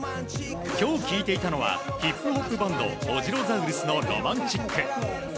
今日、聴いていたのはヒップホップバンドＯＺＲＯＳＡＵＲＵＳの「ロマンチック」。